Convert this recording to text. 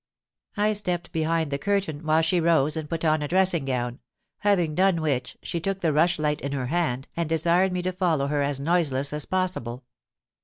'——I stepped behind the curtain, while she rose and put on a dressing gown; having done which, she took the rush light in her hand and desired me to follow her as noiseless as possible.